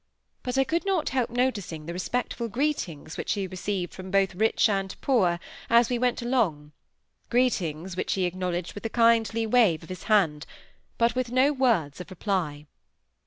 But I could not help noticing the respectful greetings which he received from both rich and poor as we went along; greetings which he acknowledged with a kindly wave of his hand, but with no words of reply.